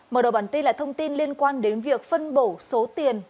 mở đầu bản tin là thông tin liên quan đến việc phân bổ số tiền